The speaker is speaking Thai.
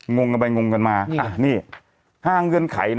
งงกันไปงงกันมานี่๕เงื่อนไขนะ